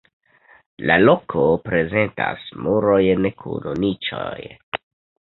La loko prezentas murojn kun niĉoj.